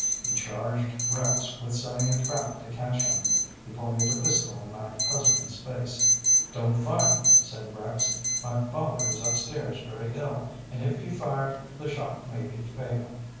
He charged Rex with setting a trap to catch him: he pointed a pistol in my husband's face. 'Don't fire!' said Rex, 'my father is upstairs very ill, and if you fire the shock may be fatal.